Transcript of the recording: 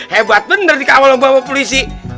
hebat bener dikawalan bapak polisi